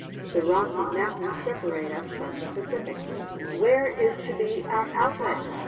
The Rocky Mountains separate us from the Pacific. Where is to be our outlet!